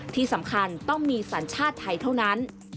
ที่สำคัญต้องมีสัญชาติไทยเท่านั้น